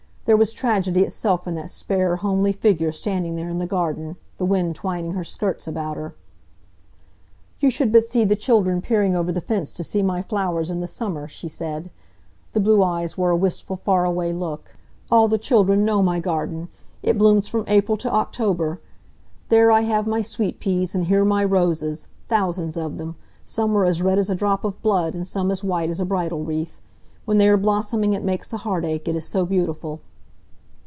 There was tragedy itself in that spare, homely figure standing there in the garden, the wind twining her skirts about her. "You should but see the children peering over the fence to see my flowers in the summer," she said. The blue eyes wore a wistful, far away look. "All the children know my garden. It blooms from April to October. There I have my sweet peas; and here my roses thousands of them! Some are as red as a drop of blood, and some as white as a bridal wreath. When they are blossoming it makes the heart ache, it is so beautiful."